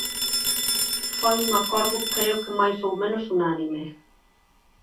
Foi un acordo creo que máis ou menos unánime.